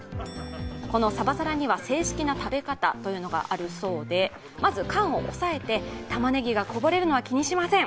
このサバサラには正式な食べ方というのがあるそうで、まず、缶を押さえてたまねぎがこぼれるのは気にしません。